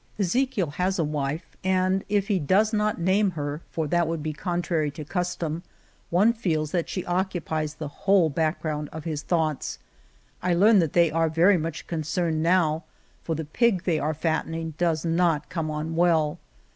Ezechiel has a wife, and if he does not name her (for that would be contrary to custom), one feels that she occupies the whole background of his thoughts. I learn that they are very much concerned now, for the pig they are fattening does not come on well.